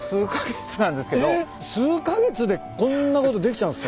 数カ月でこんなことできちゃうんすか？